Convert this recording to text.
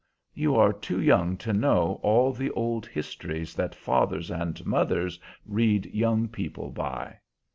You are too young to know all the old histories that fathers and mothers read young people by."